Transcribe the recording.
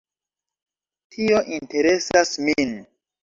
Tio interesas min.